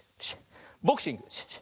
ボクシング